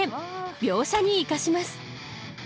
描写に生かします。